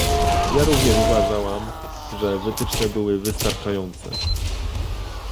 Ja również uważałam, że wytyczne byłyby wystarczające